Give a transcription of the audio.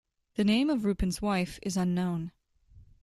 The name of Roupen's wife is unknown.